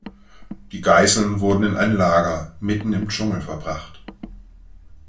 Die Geiseln wurden in ein Lager mitten im Dschungel verbracht.